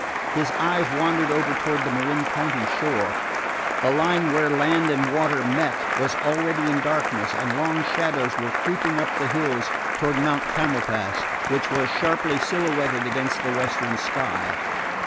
His eyes wandered over toward the Marin County shore. The line where land and water met was already in darkness, and long shadows were creeping up the hills toward Mount Tamalpais, which was sharply silhouetted against the western sky.